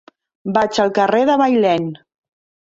Vaig al carrer de Bailèn.